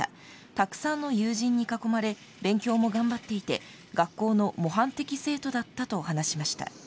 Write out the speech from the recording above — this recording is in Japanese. たくさんの友人に囲まれ勉強も頑張っていて学校の模範的生徒だったと話しました。